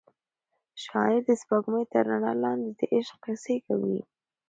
شاعر د سپوږمۍ تر رڼا لاندې د عشق کیسې کوي.